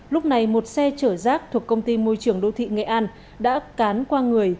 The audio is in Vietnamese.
lúc này một xe chở rác thuộc công ty môi trường đô thị nghệ an đã cán qua người